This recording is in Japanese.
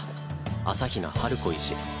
朝日奈晴子医師。